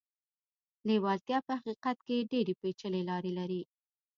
لېوالتیا په حقيقت کې ډېرې پېچلې لارې لري.